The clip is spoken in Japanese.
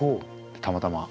たまたま。